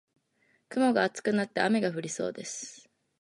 雲が厚くなって雨が降りそうです。